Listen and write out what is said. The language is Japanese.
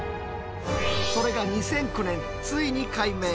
それが２００９年ついに解明。